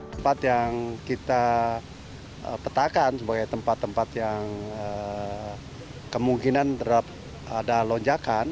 tempat yang kita petakan sebagai tempat tempat yang kemungkinan ada lonjakan